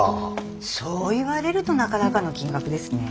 そう言われるとなかなかの金額ですね。